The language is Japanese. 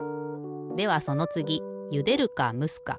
ではそのつぎゆでるかむすか。